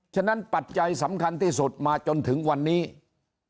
ฉะนั้นปัจจัยสำคัญที่สุดมาจนถึงวันที่๓นาทีนี้นะครับ